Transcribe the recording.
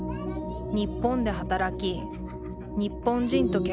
日本で働き日本人と結婚。